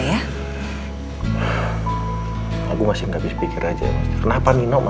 saya ingin anda menangani kasus saya dengan kebahagiaan anda